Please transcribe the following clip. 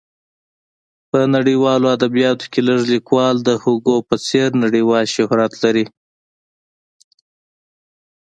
په نړیوالو ادبیاتو کې لږ لیکوال د هوګو په څېر نړیوال شهرت لري.